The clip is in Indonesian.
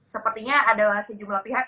sepertinya ada sejumlah pihak